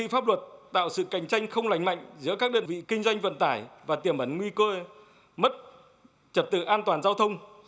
pháp luật tạo sự cạnh tranh không lành mạnh giữa các đơn vị kinh doanh vận tải và tiềm ẩn nguy cơ mất trật tự an toàn giao thông